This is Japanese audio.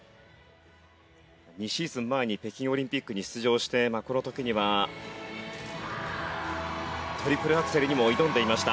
２シーズン前に北京オリンピックに出場してまあこの時にはトリプルアクセルにも挑んでいました。